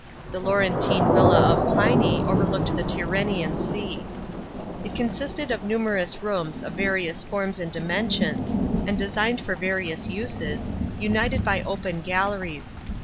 The Laurentine villa of Pliny overlooked the Tyrrhenian Sea. " It consisted of numerous rooms of various forms and dimensions, and designed for various uses, united by open galleries.